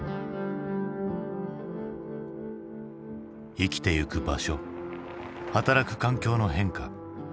生きてゆく場所働く環境の変化。